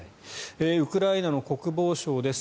ウクライナの国防省です。